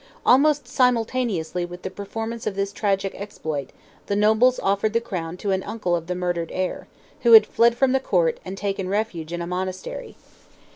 Almost simultaneously with the performance of this tragic exploit, the nobles offered the crown to an uncle of the murdered heir, who had fled from the court and taken refuge in a monastery.